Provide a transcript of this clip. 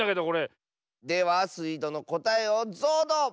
ではスイどのこたえをぞうど！